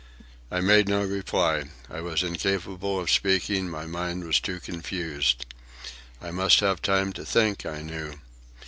I made no reply. I was incapable of speaking, my mind was too confused. I must have time to think, I knew.